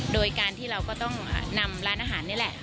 โดยการที่เราก็ต้องนำร้านอาหารนี่แหละ